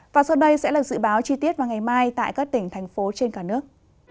và sau đây sẽ là dự báo chi tiết vào ngày mai tại các tỉnh thành phố trên cả nước